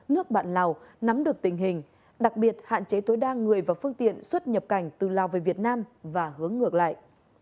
nước bạn lào nắm được tình hình đặc biệt hạn chế tối đa người và phương tiện xuất nhập cảnh từ lào về việt nam và hướng ngược lại